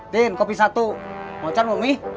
din kopi satu mau cari mau mie